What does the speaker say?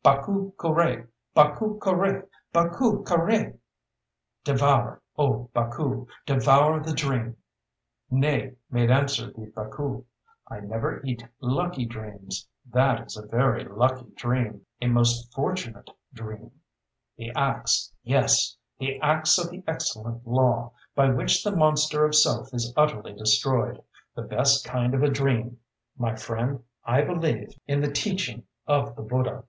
" Baku kuraë! Baku kuraë! Baku kuraë! Devour, O Baku! devour the dream!" "Nay!" made answer the Baku. "I never eat lucky dreams. That is a very lucky dream, a most fortunate dream.... The axe yes! the Axe of the Excellent Law, by which the monster of Self is utterly destroyed!... The best kind of a dream! My friend, I believe in the teaching of the Buddha."